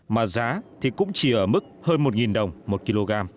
mà giá thì cũng chỉ ở mức hơn một đồng một kg